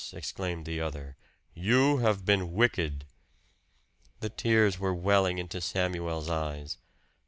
exclaimed the other. "You have been wicked." The tears were welling into Samuel's eyes.